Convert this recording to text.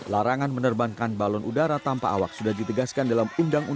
larangan menerbangkan balon udara tanpa awak sudah ditegaskan dalam undang undang